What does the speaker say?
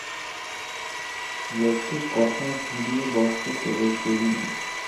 লোককে কথায় ভুলিয়ে বশ করতে ওর জুড়ি কেউ নেই।